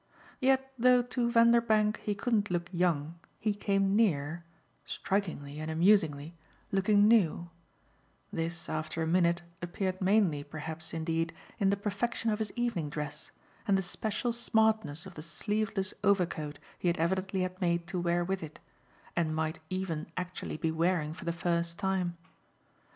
Yet though to Vanderbank he couldn't look young he came near strikingly and amusingly looking new: this after a minute appeared mainly perhaps indeed in the perfection of his evening dress and the special smartness of the sleeveless overcoat he had evidently had made to wear with it and might even actually be wearing for the first time.